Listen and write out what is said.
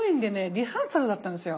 リハーサルだったんですよ。